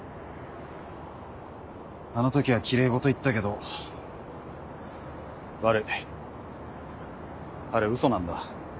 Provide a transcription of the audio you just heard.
あの時はきれい事言ったけど悪いあれウソなんだ。